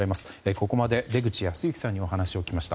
ここまで出口保行さんにお話を聞きました。